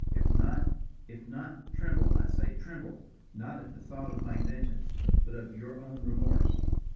If not if not, tremble, I say, tremble, not at the thought of my vengeance, but of your own remorse.